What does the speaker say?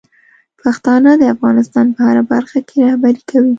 پښتانه د افغانستان په هره برخه کې رهبري کوي.